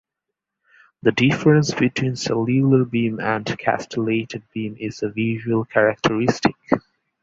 The difference between cellular beam and castellated beam is the visual characteristic.